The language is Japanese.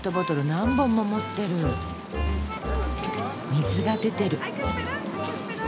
水が出てる。